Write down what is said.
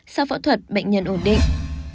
sau phẫu thuật bệnh nhân ổn định